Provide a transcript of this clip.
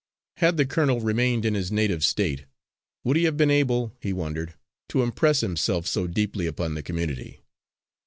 Had the colonel remained in his native State, would he have been able, he wondered, to impress himself so deeply upon the community?